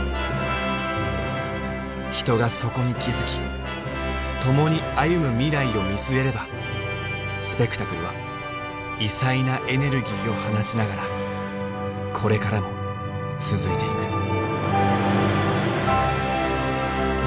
人がそこに気付き共に歩む未来を見据えればスペクタクルは異彩なエネルギーを放ちながらこれからも続いていく。